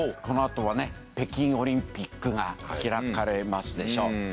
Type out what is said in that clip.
このあとは北京オリンピックが開かれますでしょ。